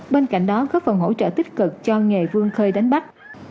bên cạnh đó góp phần hỗ trợ tích cực cho nghề vương khơi đánh bắt